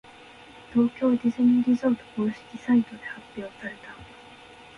東京ディズニーリゾート公式サイトで発表された。